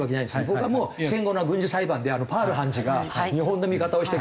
僕はもう戦後の軍事裁判でパール判事が日本の味方をしてくれた。